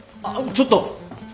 ちょっと。